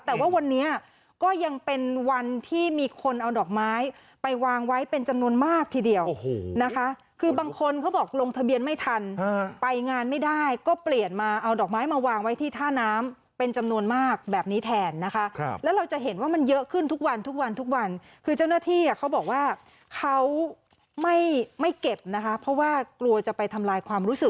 แต่ว่าวันนี้ก็ยังเป็นวันที่มีคนเอาดอกไม้ไปวางไว้เป็นจำนวนมากทีเดียวนะคะคือบางคนเขาบอกลงทะเบียนไม่ทันไปงานไม่ได้ก็เปลี่ยนมาเอาดอกไม้มาวางไว้ที่ท่าน้ำเป็นจำนวนมากแบบนี้แทนนะคะแล้วเราจะเห็นว่ามันเยอะขึ้นทุกวันทุกวันทุกวันทุกวันคือเจ้าหน้าที่อ่ะเขาบอกว่าเขาไม่ไม่เก็บนะคะเพราะว่ากลัวจะไปทำลายความรู้สึก